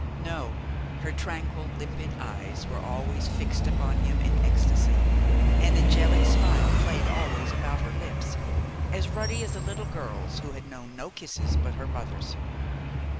No, her tranquil, limpid eyes were always fixed upon him in ecstasy; an angelic smile played always about her lips, as ruddy as a little girl's who has known no kisses but her mother's.